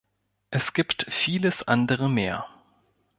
Es gibt vieles andere mehr.